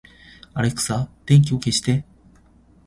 アレクサ、電気を消して